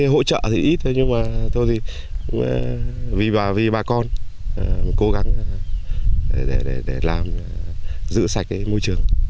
hỗ trợ thì ít thôi nhưng mà thôi thì vì bà con cố gắng để làm giữ sạch môi trường